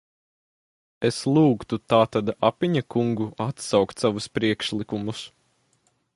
Es lūgtu tātad Apiņa kungu atsaukt savus priekšlikumus.